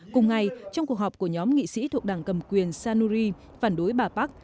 cùng ngày trong cuộc họp của nhóm nghị sĩ thuộc đảng cầm quyền sanuri phản đối bà park